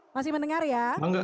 masih mendengar ya